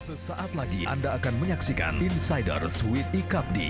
sesaat lagi anda akan menyaksikan insiders with iqabdi